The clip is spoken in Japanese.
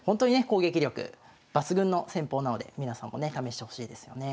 攻撃力抜群の戦法なので皆さんもね試してほしいですよね。